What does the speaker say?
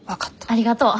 ありがとう。